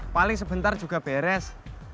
paling sebentar juga beres